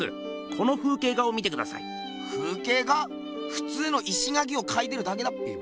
ふつうの石垣を描いてるだけだっぺ。